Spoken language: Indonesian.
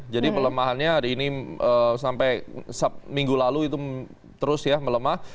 jadi pelembahannya hari ini sampai minggu lalu itu terus ya melemah